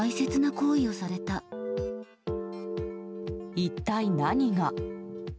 一体何が？